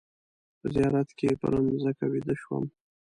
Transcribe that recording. په زیارت کې پر مځکه ویده شوم.